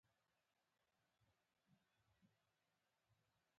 د ځان باورۍ دښمن مایوسي ده.